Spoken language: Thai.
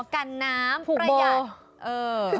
กันน้ำประหยัด